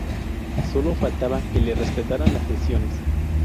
Sólo faltaba que le respetaran las lesiones.